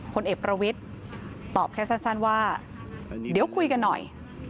ผลเอกประวิทย์ตอบแค่สั้นว่าเดี๋ยวคุยกันหน่อย